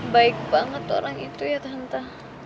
baik banget orang itu ya tante